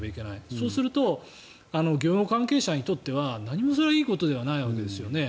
そうすると漁業関係者にとっては何もいいことではないですよね。